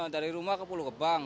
dari rumah ke pulau gebang